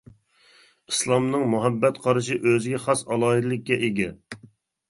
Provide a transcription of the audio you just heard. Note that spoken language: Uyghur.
ئىسلامنىڭ مۇھەببەت قارىشى ئۆزىگە خاس ئالاھىدىلىككە ئىگە.